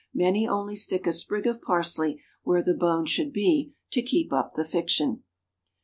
Many only stick a sprig of parsley where the bone should be, to keep up the fiction.